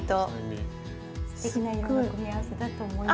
すてきな色の組み合わせだと思います。